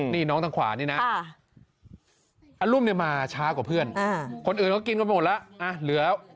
นี่น้องต่างขวานี่นะอลุ้มมาช้ากว่าเพื่อนคนอื่นก็กินกันหมดแล้ว